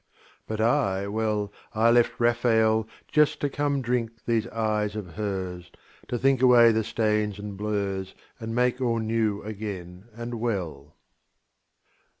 But I, well, I left Raphael Just to come drink these eyes of hers, To think away the stains and blurs And make all new again and well.